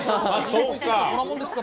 そうか。